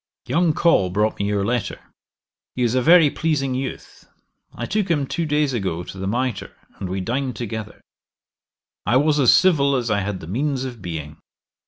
'Young Col brought me your letter. He is a very pleasing youth. I took him two days ago to the Mitre, and we dined together. I was as civil as I had the means of being.